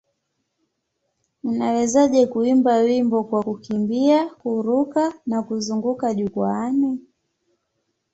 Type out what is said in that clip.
Unawezaje kuimba wimbo kwa kukimbia, kururuka na kuzunguka jukwaani?